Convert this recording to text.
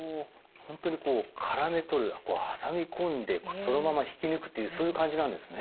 ホントにこうからめ取る挟み込んでそのまま引き抜くというそういう感じなんですね。